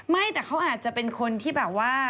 ไม่แต่เขาอาจจะเป็นคนที่แบบว่า